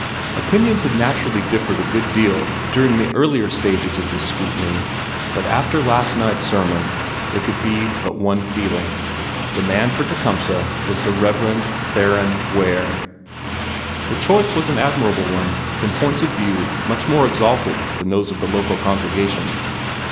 Opinions had naturally differed a good deal during the earlier stages of this scrutiny, but after last night's sermon there could be but one feeling. The man for Tecumseh was the Reverend Theron Ware. The choice was an admirable one, from points of view much more exalted than those of the local congregation.